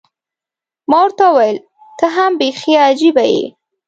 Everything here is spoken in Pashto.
ما ورته وویل، ته هم بیخي عجيبه یې.